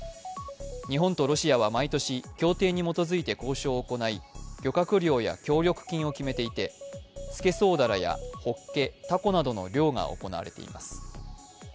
日本とロシアは毎年、協定に基づいて交渉を行い、漁獲量や協力金を決めていてすけそうだらや、ほっけ、たこなどの漁が行われています